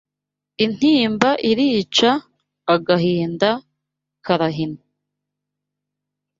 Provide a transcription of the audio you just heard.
Intimba irica, agahinda karahina